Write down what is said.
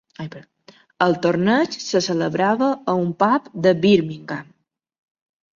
El torneig se celebrava a un pub de Birmingham.